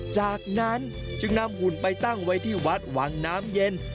จากนั้นจึงนำหุ่นไปตั้งไว้ที่วัดวังน้ำเย็น